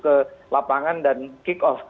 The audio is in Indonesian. ke lapangan dan kick off